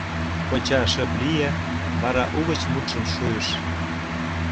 Коча шып лие, вара угыч мутшым шуйыш: